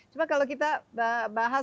cuma kalau kita bahas